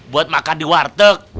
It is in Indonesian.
buat makan di warteg